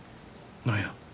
何や。